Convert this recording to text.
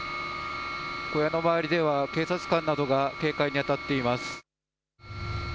小屋の周りでは警察官などが警戒に当たっています。